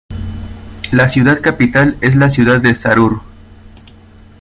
La ciudad capital es la ciudad de Şərur.